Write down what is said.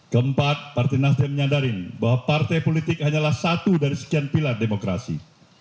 keempat partai nasdem menyadari bahwa partai politik hanyalah satu dari sekian pilar demokrasi